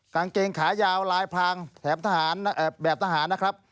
กางเกงขายาวลายพรางแถมทหารแบบทหารนะครับ